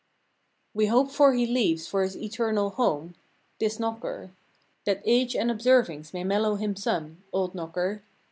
126 We hope 'fore he leaves for his eternal home— This knocker; That age and observings may mellow him some— Old knocker.